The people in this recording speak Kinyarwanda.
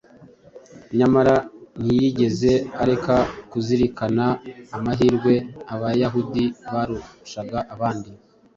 nyamara ntiyigeze areka kuzirikana amahirwe Abayahudi barushaga abandi,